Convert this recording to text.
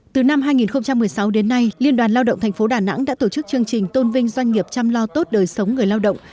từ năm hai nghìn một mươi sáu đến nay liên đoàn lao động tp đà nẵng đã tổ chức chương trình tôn vinh doanh nghiệp chăm lo tốt đời sống người lao động